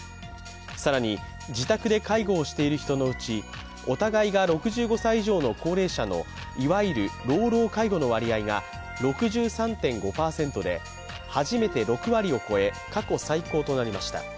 更に自宅で介護をしている人のうちお互いが６５歳以上の高齢者のいわゆる老老介護の割合が６３．５％で、初めて６割を超え過去最高となりました。